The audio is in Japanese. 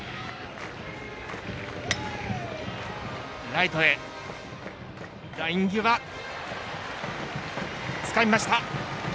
ライトへライン際、つかみました。